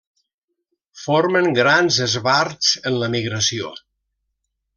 Formen grans esbarts en la migració.